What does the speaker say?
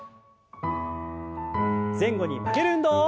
前後に曲げる運動。